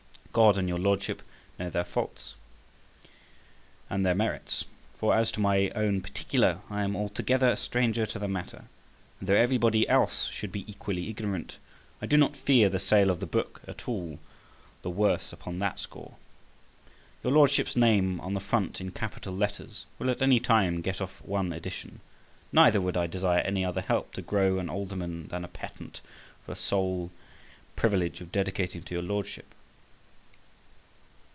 God and your Lordship know their faults and their merits; for as to my own particular, I am altogether a stranger to the matter; and though everybody else should be equally ignorant, I do not fear the sale of the book at all the worse upon that score. Your Lordship's name on the front in capital letters will at any time get off one edition: neither would I desire any other help to grow an alderman than a patent for the sole privilege of dedicating to your Lordship.